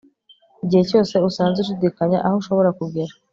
igihe cyose usanze ushidikanya aho ushobora kugera